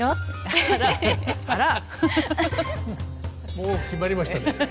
もう決まりましたね。